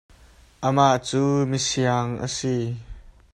Amah cu mi siang a si.